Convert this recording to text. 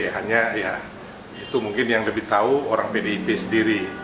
hanya ya itu mungkin yang lebih tahu orang pdip sendiri